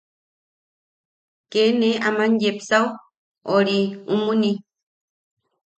Kee ne aman yepasao ori umuni.